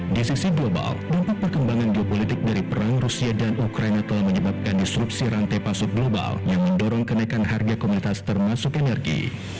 di sisi global tampak perkembangan geopolitik dari perang rusia dan ukraina telah menyebabkan disrupsi rantai pasok global yang mendorong kenaikan harga komunitas termasuk energi